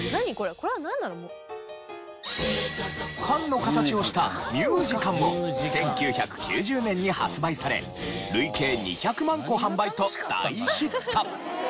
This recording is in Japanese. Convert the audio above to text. これはなんなの？缶の形をしたミュージカンも１９９０年に発売され累計２００万個販売と大ヒット。